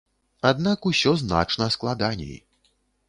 Аднак усё значна складаней.